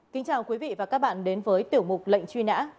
kính chào quý vị và các bạn đến với tiểu mục lệnh truy nã